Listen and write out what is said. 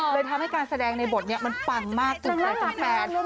เลยทำให้การแสดงในบทนี่มันปังมากจนเคยเป็นแฟน